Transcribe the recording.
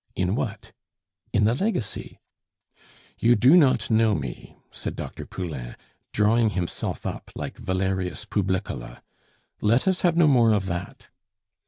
"In what?" "In the legacy." "You do not know me," said Dr. Poulain, drawing himself up like Valerius Publicola. "Let us have no more of that.